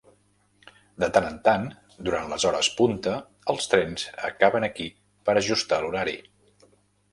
De tant en tant, durant les hores punta, els trens acaben aquí per ajustar l'horari.